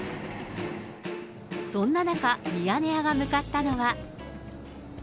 そんな中、ミヤネ屋が向かったのは。